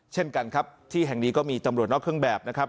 เช่นกันครับที่แห่งนี้ก็มีตำรวจนอกเครื่องแบบนะครับ